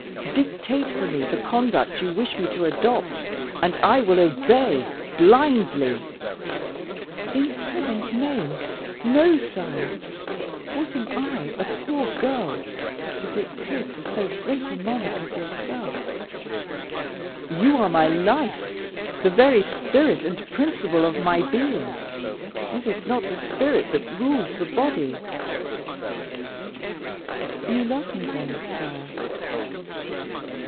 Dictate for me the conduct you wish me to adopt, and I will obey blindly." "In Heaven's name, no, sire; what am I, a poor girl, to dictate to so great a monarch as yourself?" "You are my life, the very spirit and principle of my being. Is it not the spirit that rules the body?" "You love me, then, sire?"